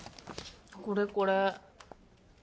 これこれ。